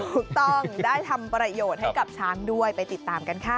ถูกต้องได้ทำประโยชน์ให้กับช้างด้วยไปติดตามกันค่ะ